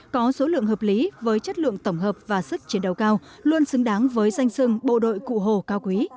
có số lượng hợp lý với chất lượng tổng hợp và sức chiến đấu cao luôn xứng đáng với danh sưng bộ đội cụ hồ cao quý